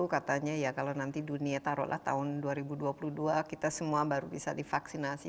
katanya ya kalau nanti dunia taruhlah tahun dua ribu dua puluh dua kita semua baru bisa divaksinasi